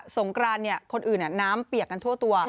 งกรานคนอื่นน้ำเปียกกันทั่วตัว